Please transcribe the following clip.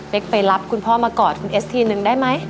ไปรับคุณพ่อมากอดคุณเอสทีนึงได้ไหม